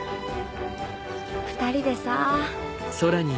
２人でさぁ。